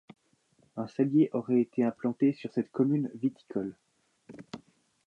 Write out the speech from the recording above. Un cellier aurait été implanté sur cette commune viticole.